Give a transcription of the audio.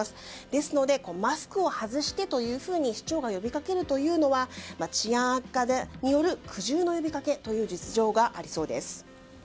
ですので、マスクを外してと市長が呼びかけるというのは治安悪化による苦渋の呼びかけという実情がありそうです。